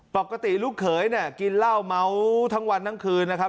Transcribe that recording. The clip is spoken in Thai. ปกติลูกเขยเนี่ยกินเหล้าเมาทั้งวันทั้งคืนนะครับ